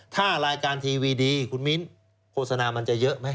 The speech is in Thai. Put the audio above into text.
ถ้ารายการทีวีดีคุณมิ้นโฆษณามันจะเยอะไหม